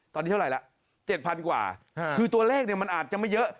ตอนนี้เท่าไหร่ละ๗๐๐กว่าคือตัวเลขเนี่ยมันอาจจะไม่เยอะ